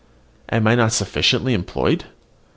Am I not sufficiently employed?